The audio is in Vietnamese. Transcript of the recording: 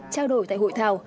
trao đổi tại hội thảo